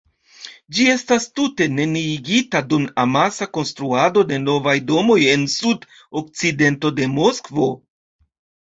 Ĝi estas tute neniigita dum amasa konstruado de novaj domoj en sud-okcidento de Moskvo.